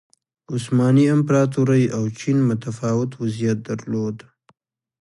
عثماني امپراتورۍ او چین متفاوت وضعیت درلود.